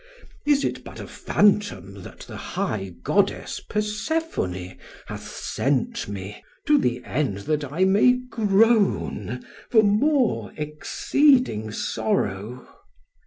Is it but a phantom that the high goddess Persephone hath sent me, to the end that I may groan for more exceeding sorrow?'